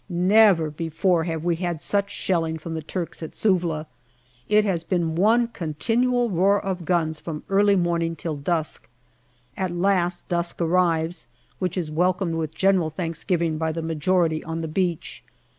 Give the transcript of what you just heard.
Never before have we had such shelhng from the Turks at Suvla. It has been one continual roar of guns from early morning till dusk. At last, dusk arrives, which is welcomed with general thanksgiving by the majority on the beach.